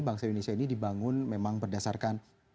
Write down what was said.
bangsa indonesia ini dibangun memang berdasarkan